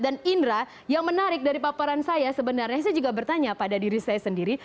dan indra yang menarik dari paparan saya sebenarnya saya juga bertanya pada diri saya sendiri